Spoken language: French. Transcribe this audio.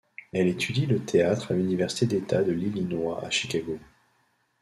Elle étudie le théâtre à l'université d'état de l'Illinois à Chicago.